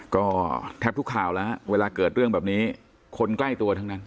ก็แทบทุกข่าวแล้วฮะเวลาเกิดเรื่องแบบนี้คนใกล้ตัวทั้งนั้น